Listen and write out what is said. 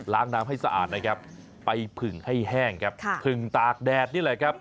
ล้างน้ำให้สะอาดไปผึ่งให้แห้งผึ่งตากแดดนี่แหละครับ